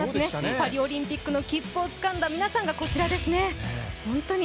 パリオリンピックの切符をつかんだ皆さんです。